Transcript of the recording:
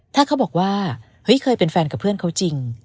ถ้าเขาบอกว่าเฮ้ยเคยเป็นแฟนกับเพื่อนเขาจริง